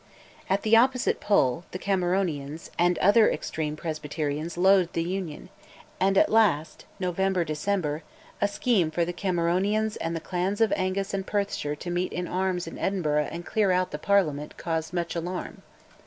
At the opposite pole, the Cameronians and other extreme Presbyterians loathed the Union, and at last (November December) a scheme for the Cameronians and the clans of Angus and Perthshire to meet in arms in Edinburgh and clear out the Parliament caused much alarm.